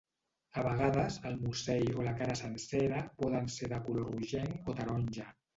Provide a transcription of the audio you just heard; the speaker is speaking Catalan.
A vegades, el musell o la cara sencera poden ser de color rogenc o taronja.